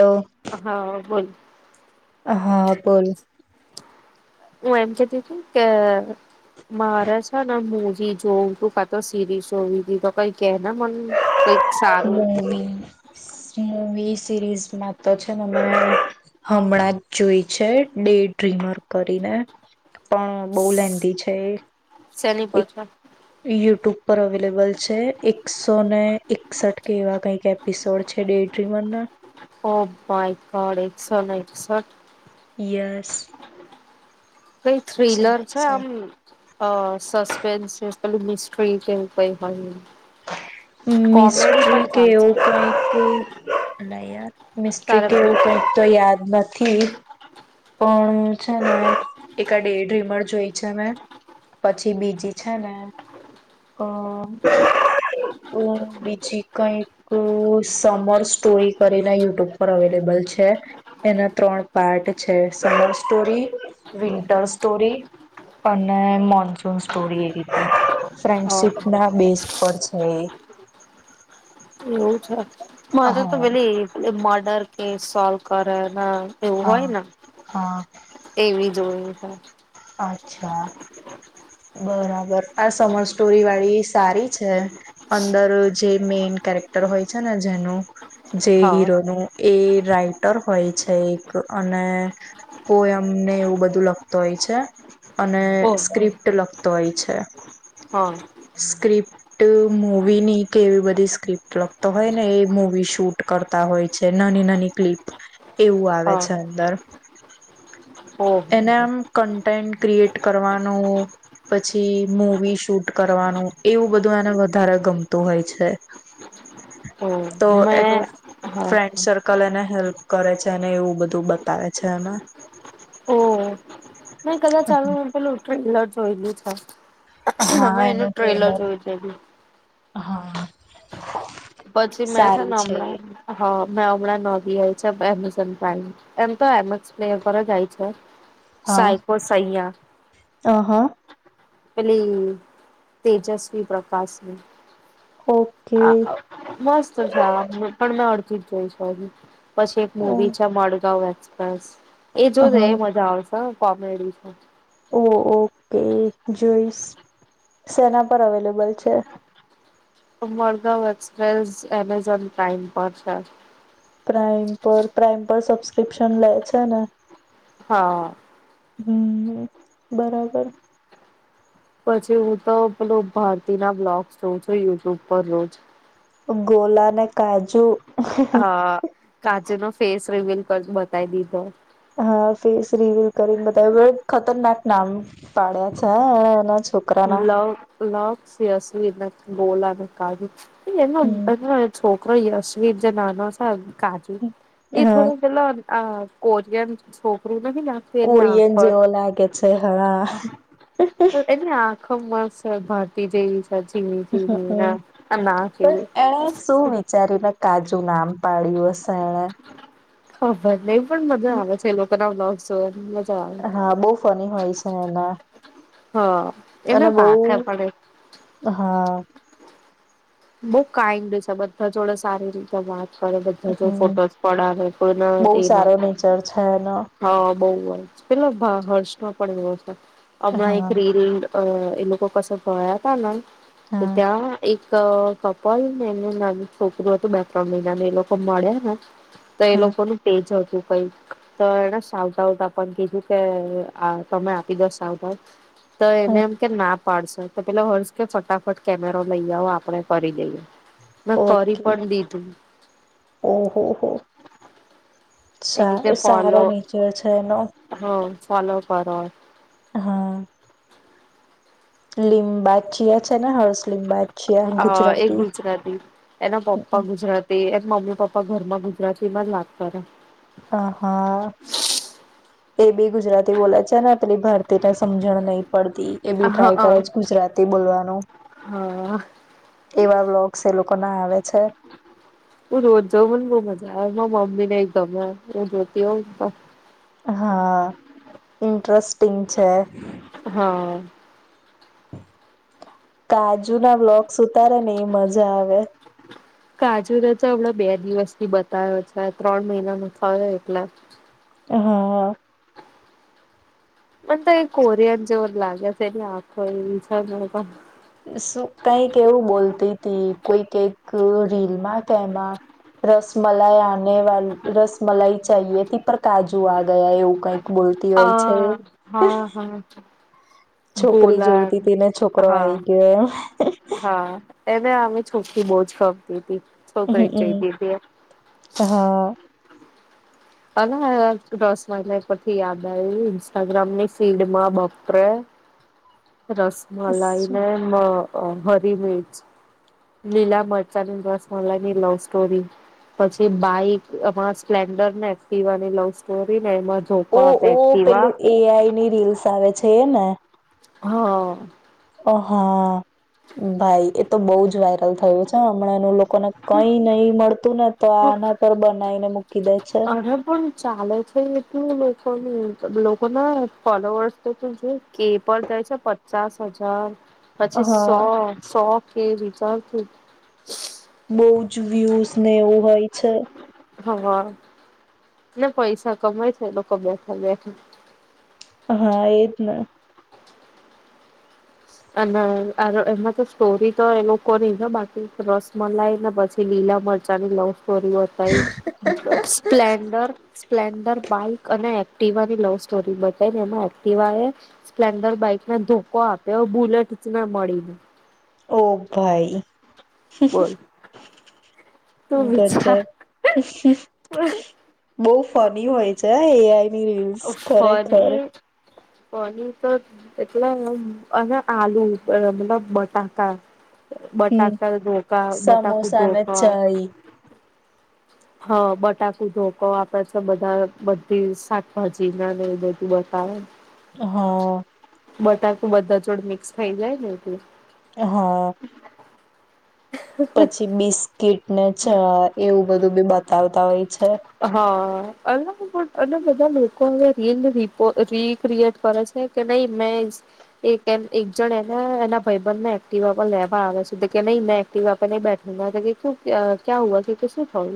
તો હા બોલ. હા બોલ. હું એમ કેતી ત કે મારે છે ને મુજી જોઉું કાતો સીરીઝ તો કઈ કે મ કઈક. [inaudible] સારું મૂવીસ મૂવીસ. સિરીઝમાં તો છે ને હમણાં જ જોઈ છે ડે ડ્રીમર કરીને પણ બહ લેંધી છે એ સેની પહોંચવા યુટ્યુબ પર અવેલેબલ છે એકસો ને એકસઠ કે એવા કઈક એપિસોડ છે ડેડ્રી વન ના ઓ બાયગોડ એકસોને એકસઠ યસ. કઈ એકસો ને થ્રીલર છે આમ એકસઠ અ સસ પેન શીસ મિસ્ટ્રી કેવું કઈ હોય એવુ. મિસ્ટત્રી કે ચાલશે ઓવો કઈક હોય. લાઇઅર મિસ્ટ્રી તારે કેવું કંઈક તો યાદ નથી. પણ છે ને એકાદ એ ડ્રીમર જોઈ છે ને પછી બીજી છેને અ અ બીજી કઈક સમર સ્ટોરી કરીને યુટ્યુબ પર અવેલેબલ છે એના ત્રણ પાર્ટ છે. સમર સ્ટોરી, વિન્ટર સ્ટોરી અને મોનસૂન સ્ટોરી એ રીતે અ ફ્રેન્ડશીપ ના બેસ પર છે એ એવું છે. માર તા તો હા પેલી મોર્ડર કેસ સોલ્વ કરર હા એવું હોય હા ન હા એવી જોય [inaudible] અચ્છા બરાબર આ સમર સ્ટોરી વાળી સારી છે. અંદર જે મેઈન કેરેક્ટર હોય છે ને જેનું જે હા હીરોનું એ રાઈટર હોય છે એક અને પોયમને એવું બધું લખતો હોય છે. અને ઓ સ્ક્રિપ્ટ લખ તોય છે. હા સ્ક્રિપ તો મુવીની કે એવી બધી સ્ક્રિપ્ટ લગતો હોય ને એ મૂવી શૂટ કરતા હોય છે. નાની નાની ક્લિપ એવું આવે હા છે અંદર [inaudible] એને આમ કન્ટેન્ટ ક્રિએટ કરવાનું પછી, મૂવી શૂટ કરવાનું એવું બધું એને વધારે ગમતું હોય છે. ઓહ તો એનું મેં હા ફ્રેન્ડ સર્કલ એને હેલ્પ કરે છે અને એવું બધું બતાવે છે એમાં મે કદાચ આનું પેલું ઉઠલ જોયલું છે. અમે એનું ટ્રેલર જોય છે [unintelligible] હા. પછી મેં છે ને હમણાં હૈ ના હમણાં જ નોંધી આવી છે એમેઝોન પ્રાઈમ એમ તો એમક્સ પ્લેયર પર જ આવી છે. સાઈકો સહીયા ત હ. પેલી તેજસ્વી પ્રકાશની ઓકે [unintelligible] મસ્ત છે આપણું પણ મેં અરધું [unintelligible] પછી એક ઓ મુવી છે મડગાવ આસપાસ એ જોજે હા એ મજા આવશે. હા કોમેડી છે. ઓ ઓકે જોઈશ. સેના પર અવેલેબલ છે? મડગાંવ એક્સપ્રેસ એમેઝોન પ્રાઈમ પર છે. પ્રાઇમ પર પ્રાઇમ પર સબસ્ક્રિપ્શન લે છે ને? હા. હમમ બરાબર. પછી હું તો પેલું ભારતી ના બ્લોગસ જોઉં છું, યુટ્યુબ પર રોજ ગોલા ને કાજુ હા કાજુ નો ફેસ રિવલ કર બતાવી દીધો હા ફેસ રિવ્યુ કરીને બતાયુ ખતરનાક નામ પાડ્યા છે અ એના છોકરા લવ લસય્સવી નથી બોલા કાગ એ ઈનો હમ [unintelligible] યશવી જ નાનો સાબ કાજુ હમ એ હા થોડા પેલા આ કોરિયન છોકરી કોરિયન જેવો લાગે છે હા. ખૂબ મસ્ત છે ભારતી જેવીજ- જીમ જીવી ના કે પણ એણે શું વિચારીને કાજુ નામ પાડ્યું હશે એણે? ખબર નઈ. પણ મજા આવે છે લોકોના [unintelligible] હા બવ ફની હોય છે એના. હા અને એના બહુ પાખર પડે હા બઉ કાઇન્ડ છે બધા જોડે સારી રીતે વાત બધા જોડે હમ ફોટોસ પડાવે, કોઇને બહુ એ ન સારો નેચર છે એનો થાય. બઉ જ પેલો ભા હર્ષ માં પડેલો છે. અમના હા એક હા રીલ અ એ લોકો કર પયા તના તો હા ત્યાં એક તો કપલ ને એમનુ નાનું છોકરું હતું, બે ત્રણ મહિના નું એ લોકો મળ્યા ને તો એ લોકો નું તેેજ હતું. કઈક તો એને સાવ તાવતા પણ કીધું કે આ તમે આપી દો સાવતા તો એને હા એમ કે ના પાડશો. તો પેલા હર્ષ કે ફટાફટ કેમેરો લઈ આવ આપ આપણે કરી લઈએ. ઓકે ઓહો હો. એ સા રીતે સારો ફોલો નેચર છે એનો. હ ફોલો કરો. હા. લિંક બાદશિયા છે ને હર્ષ લીમ્બાચીયા હા એ ગુજરાતી. ગુજરાતી એના પપ્પા ગુજરાતી એ મમ્મી પપ્પા ઘરમાં ગુજરાતીમાં જ વાત કરે. હ હા. એ બી ગુજરાતી બોલે છે ને આ પેલી ભારતીયને સમજણ નહી પડતી એ બી ટ્રાય હા કરે છે. હ ગુજરાતી બોલવાનું હા એવા વલોગ્સ એ લોકો ના આવે છે. મમ્મીને ગમે હું જોઈતી હોવ તો. હા ઇન્ટરેસ્ટ ટિંગ છે. હા. કાજુ ના બ્લોગસ ઉતારે ને એ મજા આવે. કાજુને તો હમણા બે દિવસથી બતાયો છે. આ ત્રણ મહિના ન થયો એટલે. હા હા. મને તો એ કોરિયન જેવો જ લાગે છે. એની આખો ઈ છે ને. શું કઈક એવું બોલતી હતી કોઈ કઈક રીલમાં કે એમાં રસમલાઈ આને વા રસમલાઈ ચાએથી હતી પર કાજુ આ ગયા એવું કઈક. બોલતી હોય છે હ હા હા. છોકરી ગોલા જોઈતી તી ને છોકરો આઈ હા ગયો એમ. હા એને આમે છોકરી બહુજ ગમતી તી. હમ્મ હમ્મ હા. અને રસમલાઈ પરથી યાદ આવ્યું ઇન્સ્ટાગ્રામની ફીડમાં બાપરે રસમલાઈને હરી મિર્ચ લીલા મરચાની રસમલાઈની લવ સ્ટોરી પછી બાઈક એમાં સ્પ્લેન્ડરને એક્ટિવાની લવ સ્ટોરી ઓ આપે ઓ એક્ટિવા પેલું એઆઈની રીલ્સ આવે છે. તે ને. હા. અ હા ભાઈ એ તો બહુ જ વાયરલ થયું છે હમણાં લોકોને કઈ નહી મળતું ને તો આ આના પર બનાવીને મૂકી દે છે. અરે પણ ચાલે છે એટલું લોકોના ફોલોવર્સ તો તું જો કે પર જાય છે પચાસ હજાર પછી હા સો સો. કે વિચારથી બહુજ વ્યુઝ ને એવું હોય છે. હા ને પૈસા કમાય છે એ લોકો બેઠા બેઠા હા એજ ને. અને એમાં તો સ્ટોરી તો એ લોકોની છે બાકી રસમલાઈ ને પછી લીલા મરચાંની લવ સ્પ્લેન્ડર સ્પ્લેન્ડર બાઈક અને એક્ટિવાની લવ સ્ટોરી બતાવીને એમાં એક્ટિવા એ સ્પ્લેન્ડર બાઈકને ધોકો આપ્યો. તેવો બુલેટ જ ના મળી. ઓ ભાઈ બોલ. [inaudible] તું વિચાર ગજબ બો ફની હોય છે હા એ આઈ. ની રીલ્સ ખરેખર પનીર તો એટલે અને આલુ મતલબ બટાકા હમ બટાકા ધોકા બટાકુ સમોસા ને ધોકા ચાય હા બટાકુ ધોકો આપે છે બધા બધી શાકભાજી ને ને એવુ બધું બતાવે. હા બટાકુ તું બધા જોડ મિક્સ થઈ જાય ને એટલે એ હા પછી બિસ્કીિટ ને છે આ એવું બધું બી બતાવતા હોય છે. હા અ અલા બધા લોકો હવે રિલ રીકરીએટ કરે છે કે નહી મે એક જન એને એના ભાઈબંધ એક્ટીવા લેવા આવે છે નહી મે એક્ટીવા પે નહી બેઠુંગા ક્યાં હું વા છે કે શું થયું.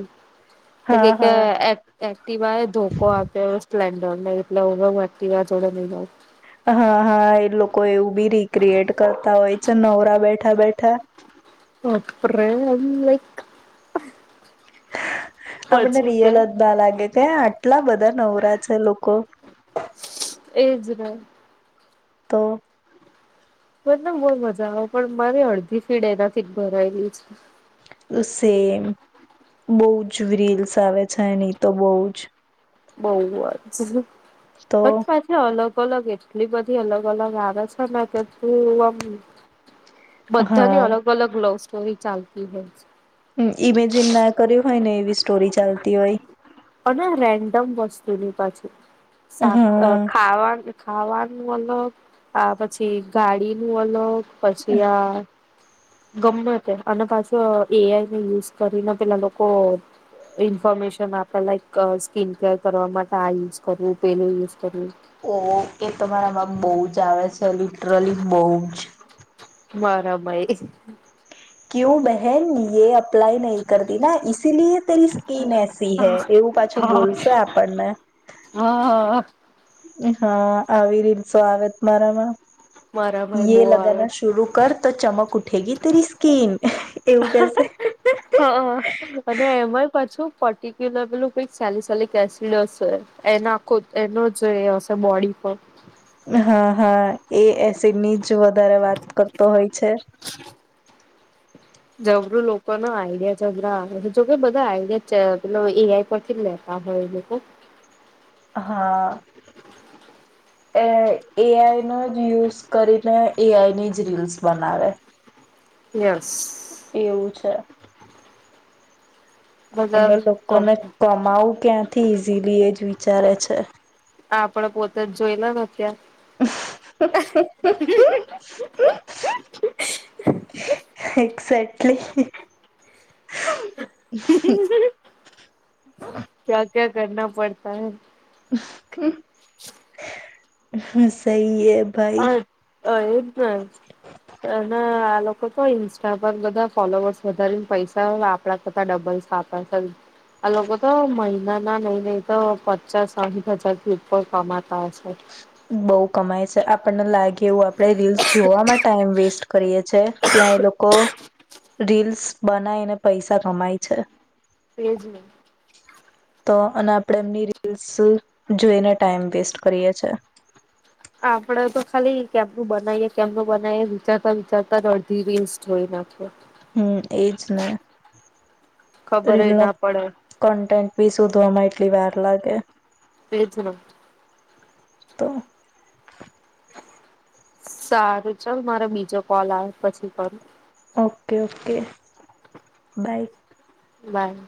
તો કે હા કે હા અ એક્ટિવા એ ધોકો આપ્યો સ્પ્લેન્ડર ને એટલે હવે હું એક્ટીવા જોડે નય રવ. હા હા એ લોકો એવું બી રીક્રિએટ કરતા હોય છે નવરા બેઠ બેઠા બેઠા અપરે એમ લાયક આપણને રિયલ જ ના લાગે કે આટલા બધા નવરા છે લોકો [inaudible] તો. મને તો બો મજા આવે, પણ મારી અડધી ફીડ એનાથી જ ભરાયલી છે. બો જ રીલ્સ આવે છે, એની તો બો જ બોવ જ [unintelligible] તો સાથે અલગ અલગ એટલી બધી અલગ-અલગ આવે છે ને કે તું આમ બધાની હા અલગ-અલગ ગ્લવસ તો ઈ ચાલતી હોઈ હમ્મ, ઈમેજિન ના કર્યું હોય ને, એવી સ્ટોરી ચાલતી હોય. અને રેન્ડમ વસ્તુની પાસે. શાક અ હા ખાવા ખાવાનું મતલબ. આ પછી ગાડીનું અલગ... પછી આ... ગમે તેમ, અને પાછું એઆઈને યુઝ કરીને પેલા લોકો ઇન્ફોર્મેશન આપે, લાઈક અ... ક્વિક શેર કરવા માટે આ યુઝ કરવું, પેલું યુઝ... કરવું ઓ એ તમારા બોજ આવે... છે, લિટ્રલિય બોજ. મારા ભાઈ એ. કયું બેન... એન્ડ એ અપ્લાય નહી. કરદીના ઇસ... ઇશિલીએ તેરી સ્કીિન એસી હૈ, એવું પાછું બોલશે આપણને. હા એ હા, આવી રીલ્સ આવે મારામાં. મારા ભાઈ બો એ આવે લગાના શુરૂ કર, તો ચમક ઉઠ... ઉઠેગી તેરી સ્કિન. એવું કેશે. હા અને એમાંય પાછું પર્ટિક્યુલર કંઈક સેલિસિલિક એસિડ હશે, એના આખો એનો જ હશે બોડી પર... હા, હા, એ એસિડની જ વધારે વાત કરતો હોય છે. જબરું લોકોના આઈડિયા જબરા આવે છે, જોકે બધા આઈડિયાલ એઆઈ પરથી જ લેતા હોય, એ લોકો. હા. એ એઆઈનો જ યુઝ કરીને, એઆઈની જ રીલ્સ બનાવે. યશ. એવું છે. એટલે બધા લોકોને કમાવું ક્યાંથી ઈઝીલી, એ જોઈ... વિચારે છે. આપડે પોતે જ જોઈ લ એક્ઝેક્ટલી ક્યાં ક્યાં કરના પડતા [inaudible] હ સહી એ ભાઈ હ એજ એના આ લોકો તો ઇન્સ્ટા પર બધા ફોલોવર્સ વધારેને પૈસા આપડા કરતા ડબલ્સ આ લોકો તો મહિના ના નહી નઈ તો પચાસ સાહીઠ હજારથી ઉપર કમાતા હશે. બઉુ કમાય છે આપણને લાગે એવું આપડે રીલ્સ જોવા મા ટાઈમ વેસ્ટ કરીએ છીએ. ત્યાં એ લોકો રીલ્સ બનાયને પૈસા કમાય છે. તેજને. તો અને આપણે એમની રીલ્સ જોઈને ટાઈમ વેસ્ટ કરીએ છે. આપડે તો ખાલી કેમનું બનાવીએ કેમનું બનાવીએ વિચારતા વિચારતા અડધી રિસ જોઈ નાખે. હમ્મ એજ ને. ખબર રીલ જ ન ના પડે કોન્ટેન્ટ બી શોધવા વાર લાગે. [unintelligible] તો. સારું ચાલ મારે બીજો કોલ આવે પછી કરું. Okay okay bye. બાય.